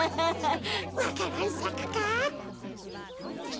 わか蘭さくか？